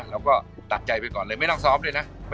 เราก็ตัดใจไปก่อนเลยไม่ต้องซ้อมด้วยนะ